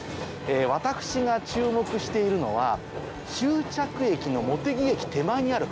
私が注目しているのは終着駅の。